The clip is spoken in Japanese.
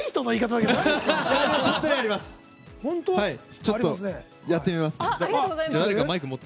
ちょっとやってみますね。